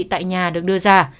tại nhà được đưa ra